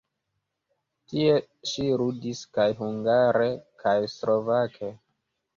Tie ŝi ludis kaj hungare kaj slovake.